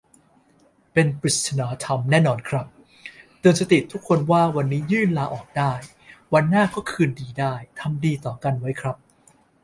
เป็นปริศนาธรรมแน่นอนครับ เตือนสติทุกคนว่าวันนี้ยื่นลาออกได้ วันหน้าก็คืนดีได้ ทำดีต่อกันไว้ครับ